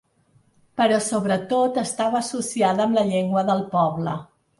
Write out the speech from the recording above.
Però sobretot estava associada amb la llengua del poble.